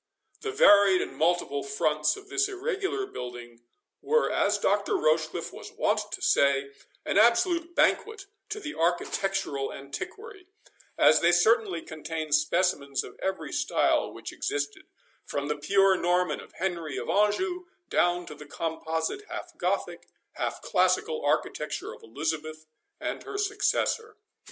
The varied and multiplied fronts of this irregular building were, as Dr. Rochecliffe was wont to say, an absolute banquet to the architectural antiquary, as they certainly contained specimens of every style which existed, from the pure Norman of Henry of Anjou, down to the composite, half Gothic half classical architecture of Elizabeth and her successor.